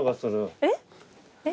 えっ？